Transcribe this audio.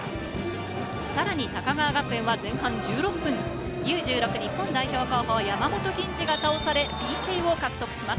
さらに高川学園は前半１６分、Ｕ−１６日本代表の山本吟侍が倒されＰＫを獲得します。